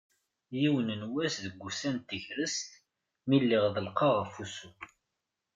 Yiwen n wass deg wussan n tegrest mi lliɣ ḍelqeɣ ɣef wussu.